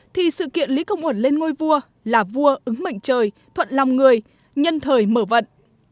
thì sự kiện lý công uẩn lên ngôi vua là vua ứng mệnh trời thuận lòng người nhân thời mở vận